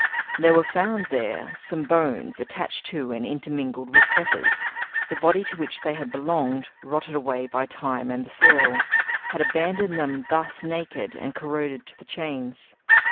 There were found there some bones attached to and intermingled with fetters; the body to which they had belonged, rotted away by time and the soil, had abandoned them thus naked and corroded to the chains.